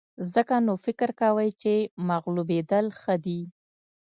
ځکه نو فکر کوئ چې مغلوبېدل ښه دي.